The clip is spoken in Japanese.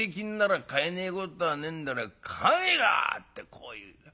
こう言う。